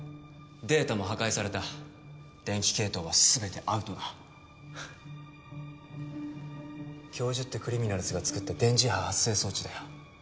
データも破壊された電気系統は全てアウトだ教授ってクリミナルズが作った電磁波発生装置だよ